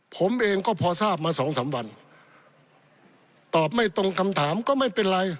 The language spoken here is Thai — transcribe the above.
ผมเองก็พอทราบมาสองสามวันตอบไม่ตรงคำถามก็ไม่เป็นไร